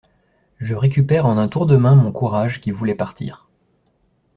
Je récupère en un tour de main mon courage qui voulait partir.